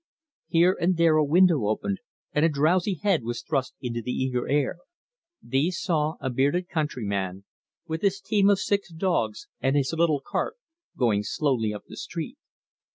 Here and there a window opened and a drowsy head was thrust into the eager air. These saw a bearded countryman with his team of six dogs and his little cart going slowly up the street.